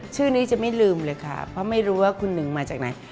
ชื่อนี้จะไม่ลืมเลยค่ะเพราะไม่รู้ว่าคุณหนึ่งมาจากไหน